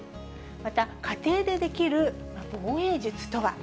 また家庭でできる防衛術とは。